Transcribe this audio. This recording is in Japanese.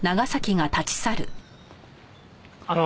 あの。